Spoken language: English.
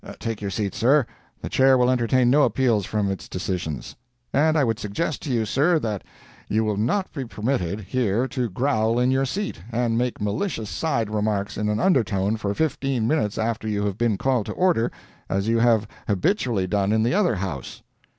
Take your seat, sir, the Chair will entertain no appeals from its decisions. And I would suggest to you, sir, that you will not be permitted, here, to growl in your seat, and make malicious side remarks in an undertone, for fifteen minutes after you have been called to order, as you have habitually done in the other house."